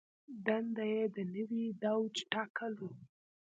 دنده یې د نوي دوج ټاکل و.